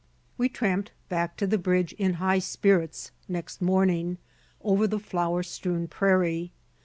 We tramped back to the bridge in high spirits next morning, over the flower strewn prairie.